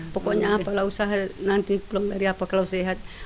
pokoknya apalah usaha nanti belum dari apa kalau sehat